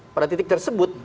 pada titik tersebut